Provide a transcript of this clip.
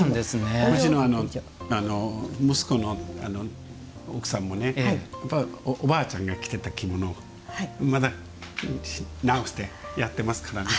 うちの息子の奥さんもおばあちゃんが着てた着物を直してやっていますからね。